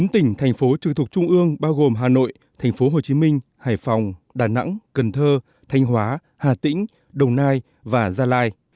chín tỉnh thành phố trực thuộc trung ương bao gồm hà nội thành phố hồ chí minh hải phòng đà nẵng cần thơ thanh hóa hà tĩnh đồng nai và gia lai